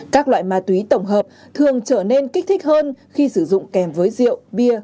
các loại ma túy tổng hợp thường trở nên kích thích hơn khi sử dụng kèm với rượu bia